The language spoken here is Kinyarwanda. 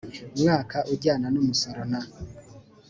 mwaka ujyana n umusoro na